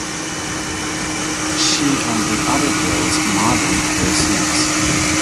She and the other girls modelled their suits.